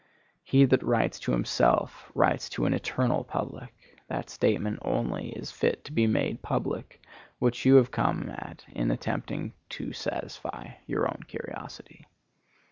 He that writes to himself writes to an eternal public. That statement only is fit to be made public which you have come at in attempting to satisfy your own curiosity.